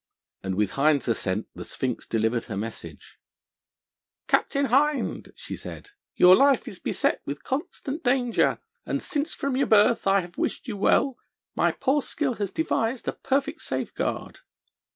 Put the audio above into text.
And with Hind's assent the sphinx delivered her message: 'Captain Hind,' said she, 'your life is beset with constant danger, and since from your birth I have wished you well, my poor skill has devised a perfect safeguard.'